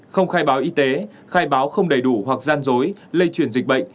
một mươi không khai báo y tế khai báo không đầy đủ hoặc gian dối lây chuyển dịch bệnh